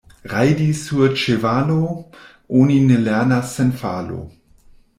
Rajdi sur ĉevalo oni ne lernas sen falo.